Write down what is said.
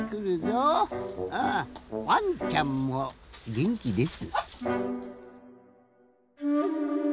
うんワンちゃんもげんきです。